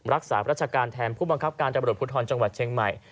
รักษารัชการแทนผู้บังคับการตำรวจภูทรจังหวัดเชียงใหม่